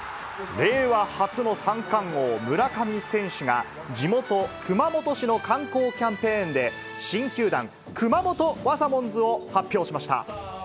令和初の三冠王、村上選手が、地元、熊本市の観光キャンペーンで、新球団、くまもとワサモンズを発表しました。